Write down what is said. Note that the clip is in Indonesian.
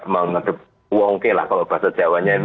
mengedep wongke lah kalau bahasa jawanya ini